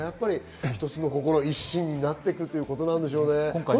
一心になっていくということなんでしょうね。